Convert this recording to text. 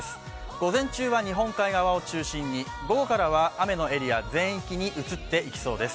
午前中は日本海側を中心に午後からは雨のエリア全域に移っていきそうです。